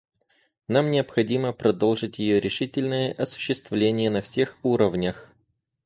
Нам необходимо продолжить ее решительное осуществление на всех уровнях.